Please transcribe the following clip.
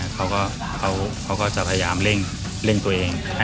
เขาก็จะพยายามเร่งตัวเอง